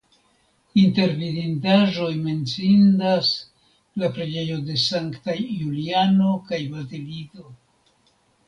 Inter vidindaĵoj menciindas la preĝejo de Sanktaj Juliano kaj Bazilizo.